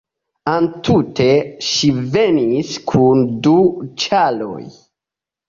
Entute ŝi venis kun du ĉaroj.